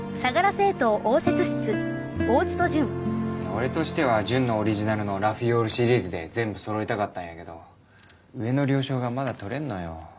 俺としては純のオリジナルのラフィオールシリーズで全部そろえたかったんやけど上の了承がまだ取れんのよ。